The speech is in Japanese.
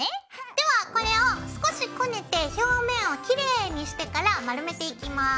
ではこれを少しこねて表面をきれいにしてから丸めていきます。